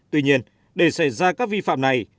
tuy nhiên để xảy ra các vi phạm này